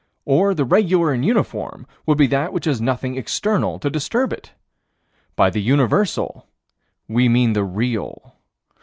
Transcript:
Or the regular and uniform would be that which has nothing external to disturb it. By the universal we mean the real.